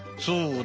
そう。